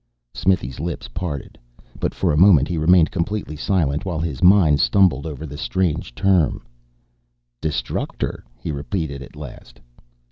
'" Smithy's lips parted. But for a moment he remained completely silent while his mind stumbled over the strange term. "Destructor?" he repeated, at last.